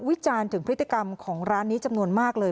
จานถึงพฤติกรรมของร้านนี้จำนวนมากเลย